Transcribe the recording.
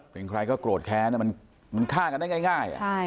เป็นใครก็โกรธแค้นมันฆ่ากันได้ง่าย